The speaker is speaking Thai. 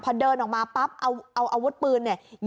พอเดินออกมาปั๊บเอาอาวุธปืนเนี่ย